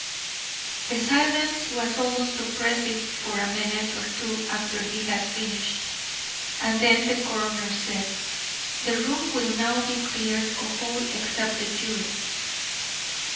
The silence was almost oppressive for a minute or two after he had finished, and then the coroner said: "The room will now be cleared of all except the jury."